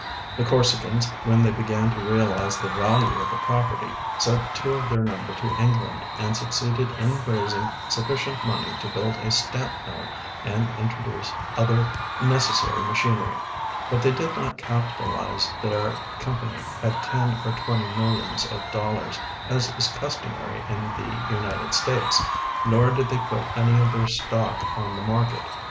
The Corsicans, when the}' began to realize the value of the jiroperty, sent two of their number to England, and succeeded in raising sufficient money to build a stamp mill and introduce other necessary machinery ; 1nit they did not capitalize their com])any at ten or tAventy millions of dollars, as is customary in the United States, nor did they put any of their stock on the market.